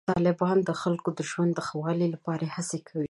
طالبان د خلکو د ژوند د ښه والي لپاره هڅې کوي.